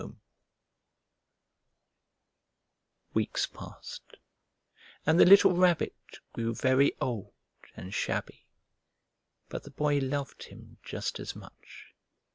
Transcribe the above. Weeks passed, and the little Rabbit grew very old and shabby, but the Boy loved him just as much.